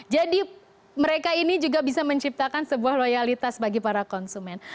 jadi mereka ini juga bisa menciptakan sebuah loyalitas bagi para konsumen